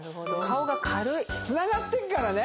つながってっからね。